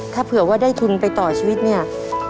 ถ้าเผื่อว่าได้ทุนไปต่อชีวิตเนี่ย